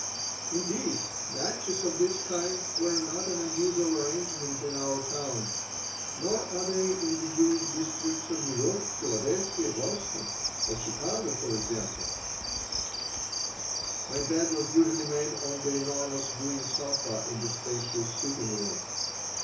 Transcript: Indeed, matches of this kind were not an unusual arrangement in our town (nor are they in the Jewish districts of New York, Philadelphia, Boston, or Chicago, for example) My bed was usually made on the enormous green sofa in the spacious sitting room.